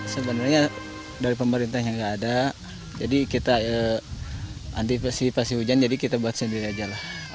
sebenarnya dari pemerintah yang nggak ada jadi kita antisipasi pasti hujan jadi kita buat sendiri aja lah